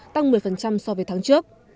tăng một mươi so với tháng trước